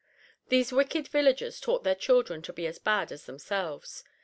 These wicked villagers taught their children to be as bad as themselves.